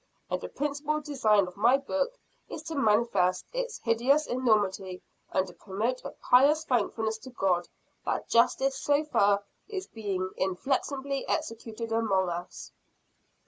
And a principal design of my book is to manifest its hideous enormity, and to promote a pious thankfulness to God that Justice so far is being inflexibly executed among us."